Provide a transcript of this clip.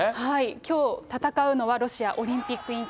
きょう戦うのはロシアオリンピック委員会。